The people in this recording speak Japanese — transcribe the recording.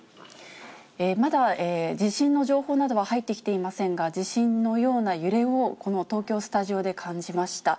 まだ地震の情報などは入ってきていませんが、地震のような揺れをこの東京スタジオで感じました。